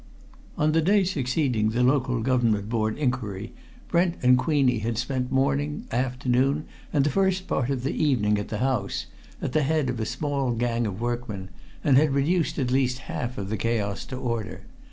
On the day succeeding the Local Government Board inquiry Brent and Queenie had spent morning, afternoon, and the first part of the evening at the house, at the head of a small gang of workmen, and had reduced at least half of the chaos to order.